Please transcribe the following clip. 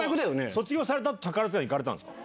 卒業された後宝塚に行かれたんすか。